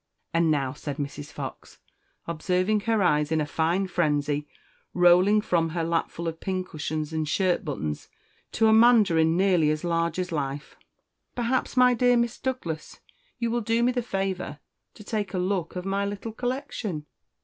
"And now," said Mrs. Fox, observing her eyes in a fine frenzy rolling from her lapful of pincushions and shirt buttons, to a mandarin nearly as large as life, "perhaps, my dear Miss Douglas, you will do me the favour to take a look of my little collection."